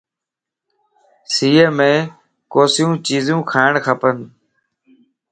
سيءَ مَ ڪوسيون چيزيون کاڻ کپن